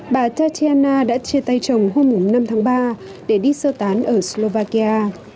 bà tachiana đã chia tay chồng hôm năm tháng ba để đi sơ tán ở slovakia